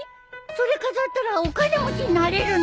それ飾ったらお金持ちになれるの？